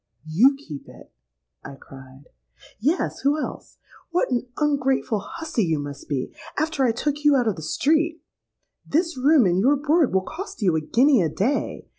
'—'You keep it!' I cried.—'Yes; who else? What an ungrateful hussy you must be, after I took you out of the street! This room and your board will cost you a guinea a day.